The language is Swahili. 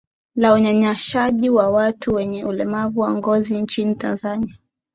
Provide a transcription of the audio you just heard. la unyanyashaji wa watu wenye ulemavu wa ngozi nchini tanzania